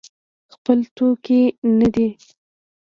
خپل ټوکي نه دی.